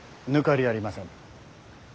抜かりありません。